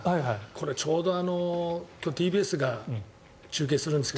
これ、ちょうど今日ＴＢＳが中継するんですが